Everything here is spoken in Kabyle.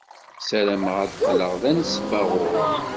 Ssarameɣ ad qqleɣ d anesbaɣur.